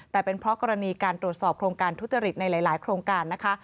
แต่เป็นเพราะกรณีการตรวจสอบโครงการทุจริตในหลายโครงการนะคะ